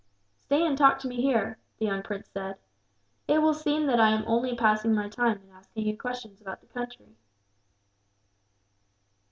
"Stay and talk to me here," the young prince said. "It will seem that I am only passing my time in asking you questions about the country."